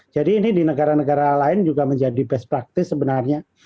jadi ini di negara negara lain juga menjadi best practice sebenarnya